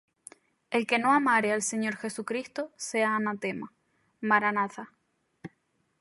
El que no amare al Señor Jesucristo, sea anatema. Maranatha.